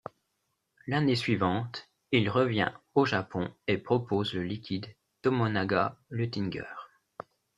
L'année suivante, il revient au Japon et propose le liquide Tomonaga-Luttinger.